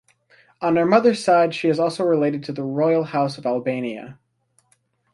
On her mother's side she is also related to the Royal House of Albania.